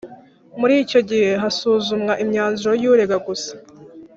Muri icyo gihe hasuzumwa imyanzuro y urega gusa